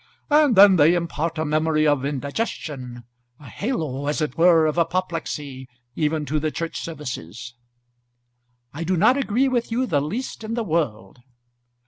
And then they impart a memory of indigestion, a halo as it were of apoplexy, even to the church services." "I do not agree with you the least in the world."